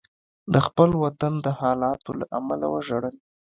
د خپل وطن د حالاتو له امله وژړل.